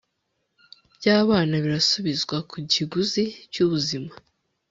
byabana birasubizwa ku kiguzi cyubuzima